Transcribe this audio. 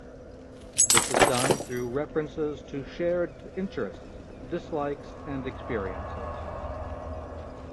This is done through references to shared interests, dislikes, and experiences.